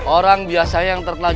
orang biasa yang terkena jurus ini